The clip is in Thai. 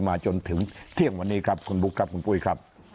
จนถึงเที่ยงวันนี้ครับคุณบุ๊คครับคุณปุ้ยครับ